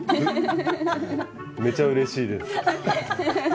めちゃうれしいです。